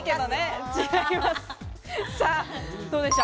どうでしょう？